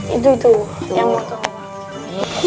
itu itu yang mau